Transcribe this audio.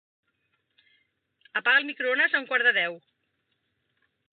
Apaga el microones a un quart de deu.